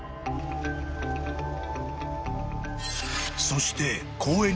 ［そして］